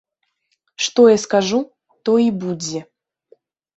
Што я скажу, то і будзе.